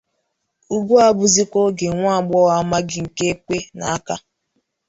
Ugbu a bụzịkwa oge nwa agbọghọ amaghị nke ekwe na-aka